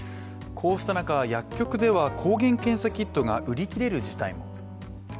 こうした中、薬局では抗原検査キットが売り切れる事態も。